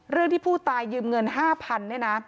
เรื่องที่ผู้ตายยืมเงิน๕๐๐เนี่ยนะ